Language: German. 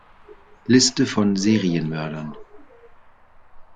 Liste von Serienmördern